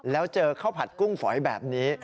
แล้วเจอข้าวผัดกุ้งฝอยแบบนี้